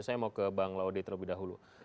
saya mau ke bang laude terlebih dahulu